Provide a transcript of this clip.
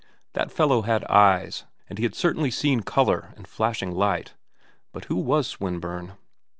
That fellow had eyes, and he had certainly seen color and flashing light. But who was Swinburne?